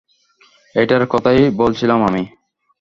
এটার কথাই বলছিলাম আমি।